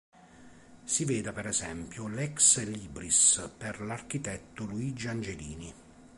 Si veda, per esempio, l"'ex libris" per l'architetto Luigi Angelini.